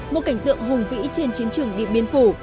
một cảnh tượng hùng vĩ trên chiến trường điện biên phủ